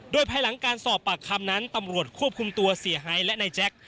โดยภายหลังการสอบปากคำนั้นตำรวจควบคุมตัวเสียหายและนายแจ็ค